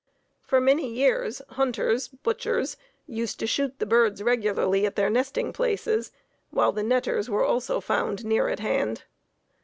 For many years hunters (butchers) used to shoot the birds regularly at their nesting places, while the netters were also found near at hand.